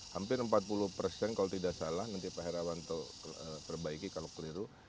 hampir empat puluh persen kalau tidak salah nanti pak herawan untuk perbaiki kalau keliru